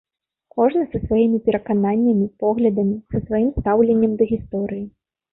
Кожны са сваімі перакананнямі, поглядамі, са сваім стаўленнем да гісторыі.